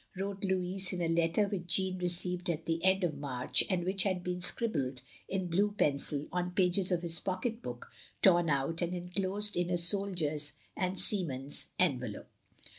.." wrote Louis in a letter which Jeanne received at the end of March, and which had been scribbled in blue pencil on pages of his pocket book torn out, and enclosed in a 'soldier's and seaman's* envelope.